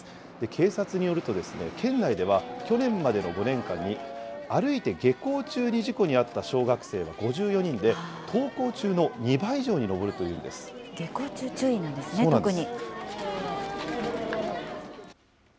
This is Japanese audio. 警察によると、県内では去年までの５年間に歩いて下校中に事故に遭った小学生は５４人で、登校中下校中、注意なんですね、特そうなんです。